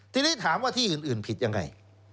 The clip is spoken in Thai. ทีนี้ถามว่าที่อื่นผิดยังไง